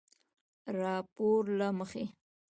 راپورله مخې